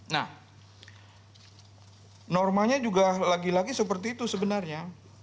nah normanya juga lagi lagi seperti itu sebenarnya